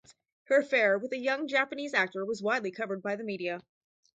Her affair with a young Japanese actor was widely covered by the media.